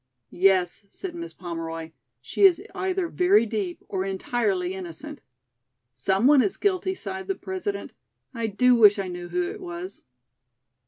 "Yes," said Miss Pomeroy, "she is either very deep or entirely innocent." "Some one is guilty," sighed the President. "I do wish I knew who it was."